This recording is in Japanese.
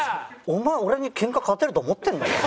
お前俺にケンカ勝てると思ってんのか？